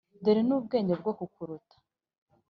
dore n’ubwehe bwo kukurata,